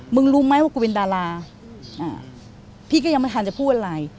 รู้ไหมว่ากูเป็นดาราพี่ก็ยังไม่ทันจะพูดอะไร